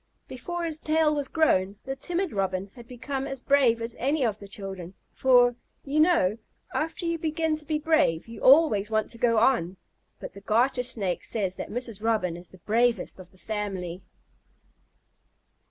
Before his tail was grown the timid Robin had become as brave as any of the children, for, you know, after you begin to be brave you always want to go on. But the Garter Snake says that Mrs. Robin is the bravest of the family.